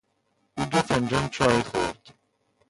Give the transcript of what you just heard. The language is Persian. او دو فنجان چای خورد.